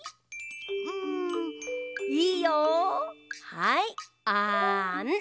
はいあん。